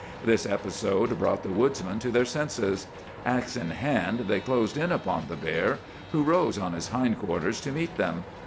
"This episode brought the woodsmen to their senses. Axe in hand, they closed in upon the bear, who rose on his hind quarters to meet them.